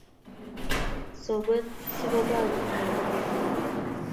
Soman sikobarun kamunget nyu